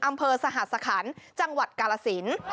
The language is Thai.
อำเภาสหรษภัณฑ์จังหวัดกาลสินฯ